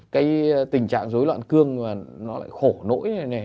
cái tình trạng dối loạn cương nó lại khổ nỗi như thế này